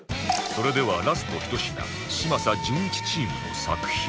それではラスト１品嶋佐じゅんいちチームの作品